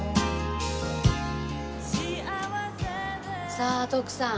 さあ徳さん。